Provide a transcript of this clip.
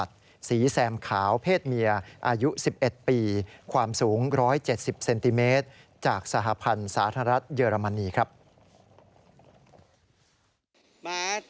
โดยม้าทรงเวคาลาตาในพันธอยิงพระเจ้าหลานเธอพระองค์เจ้าสิริวันวรีนาบรีรัฐ